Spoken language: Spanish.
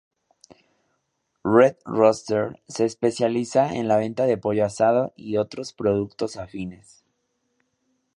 Red Rooster se especializa en la venta de pollo asado y otros productos afines.